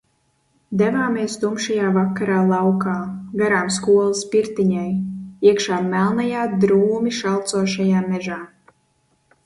Devāmies tumšajā vakarā laukā, garām skolas pirtiņai, iekšā melnajā drūmi šalcošajā mežā.